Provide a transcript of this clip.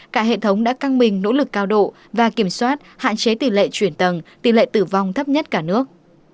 cả hệ thống đã căng mình nỗ lực cao độ và kiểm soát hạn chế tỷ lệ chuyển tầng tỷ lệ tử vong thấp nhất cả nước